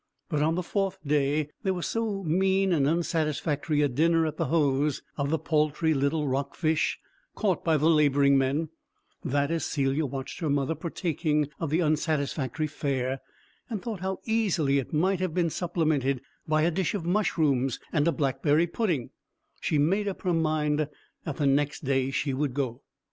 But on the fourth day there was so mean and unsatisfactory a dinner at the Hoze, of the paltry little rock fish caught by the labouring men, that, as Celia watched her mother partaking of the unsatisfactory fare, and thought how easily it might have been supplemented by a dish of mushrooms and a blackberry pudding, she made up her mind that the next day she would go.